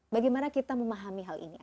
bagaimana kita memahami hal ini